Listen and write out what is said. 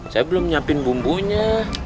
saya belum nyiapin bumbunya